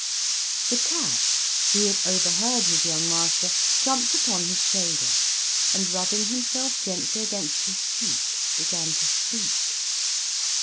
The cat, who had overheard his young master, jumped upon his shoulder, and, rubbing himself gently against his cheek, began to speak.